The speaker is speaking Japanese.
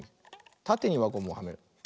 たてにわゴムをはめる。